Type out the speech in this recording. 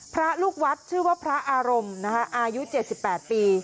พระลูกวัดชื่อว่าพระอารมณ์อายุ๗๘ปี